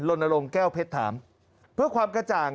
ลนลงแก้วเพชรถามเพื่อความกระจ่าง